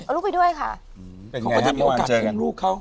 ที่เราก็คาก่อนเติบทิ้งลูกเขา